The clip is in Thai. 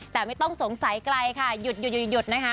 แต่ไม่ต้องสงสัยไกลค่ะหยุดนะคะ